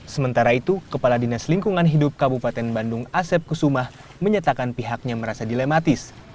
sementara itu kepala dinas lingkungan hidup kabupaten bandung asep kusumah menyatakan pihaknya merasa dilematis